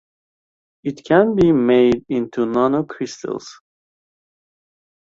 It can be made into nanocrystals.